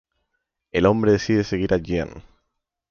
El hombre decide seguir a Jeanne.